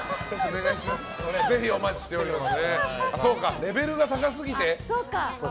ぜひお待ちしております。